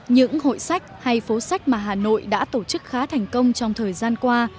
những hội sách hay phố sách mà hà nội đã tổ chức khá thành công trong thời gian qua